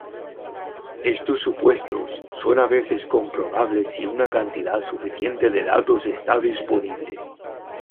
Estos supuestos son a veces comprobables si una cantidad suficiente de datos está disponible.